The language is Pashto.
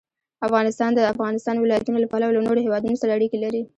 افغانستان د د افغانستان ولايتونه له پلوه له نورو هېوادونو سره اړیکې لري.